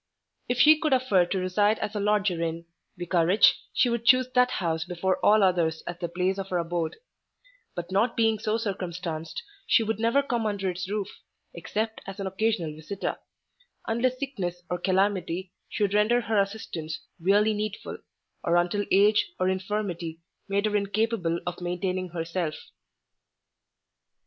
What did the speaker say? If she could afford to reside as a lodger in —— vicarage, she would choose that house before all others as the place of her abode; but not being so circumstanced, she would never come under its roof, except as an occasional visitor: unless sickness or calamity should render her assistance really needful, or until age or infirmity made her incapable of maintaining herself.